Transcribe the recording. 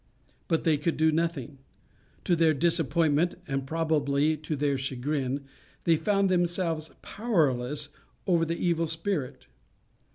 But they could do nothing. To their disappointment, and probably to their chagrin, they found themselves powerless over the evil spirit.